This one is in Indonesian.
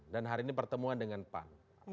dan hari ini pertemuan dengan pan